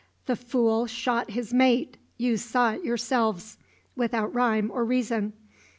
The fool shot his mate you saw it yourselves without rhyme or reason.